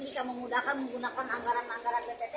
bisa mengudahkan menggunakan anggaran anggaran btt ya